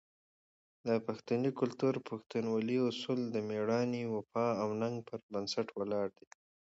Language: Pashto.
د پښتني کلتور "پښتونولي" اصول د مېړانې، وفا او ننګ پر بنسټ ولاړ دي.